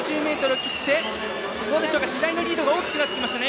白井のリードが大きくなってきました。